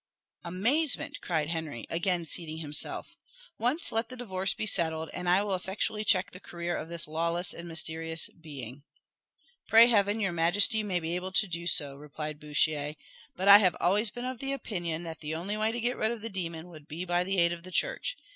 "Amazement!" cried Henry, again seating himself; "once let the divorce be settled, and I will effectually check the career of this lawless and mysterious being." "Pray heaven your majesty may be able to do so!" replied Bouchier. "But I have always been of opinion that the only way to get rid of the demon would be by the aid of the Church.